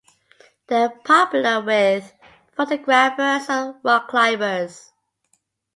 They are popular with photographers and rock climbers.